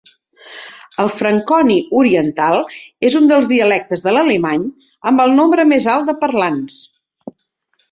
El franconi oriental és un dels dialectes de l'alemany amb el nombre més alt de parlants.